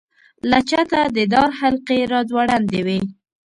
له چته د دار حلقې را ځوړندې وې.